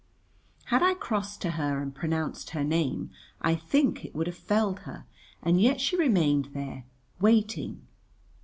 Had I crossed to her and pronounced her name I think it would have felled her, and yet she remained there, waiting.